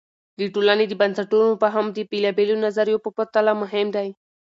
د ټولنې د بنسټونو فهم د بېلابیلو نظریو په پرتله مهم دی.